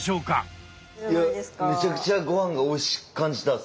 いやめちゃくちゃごはんがおいしく感じた。